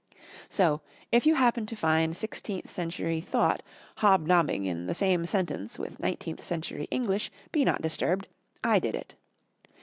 So, if you happen to find sixteenth century thought hob nobbing in the same sentence with nineteenth century English, be not disturbed; I did it.